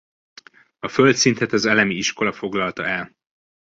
A földszintet az elemi iskola foglalta el.